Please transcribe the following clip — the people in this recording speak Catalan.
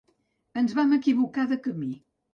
Ens vam equivocar de camí.